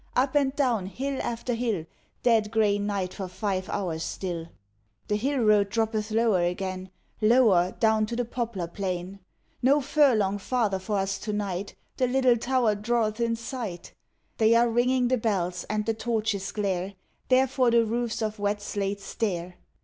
up and down hill after hill; Dead grey night for five hours still. The hill road droppeth lower again, Lower, down to the poplar plain. No furlong farther for us to night, The Little Tower draweth in sight; They are ringing the bells, and the torches glare, Therefore the roofs of wet slate stare.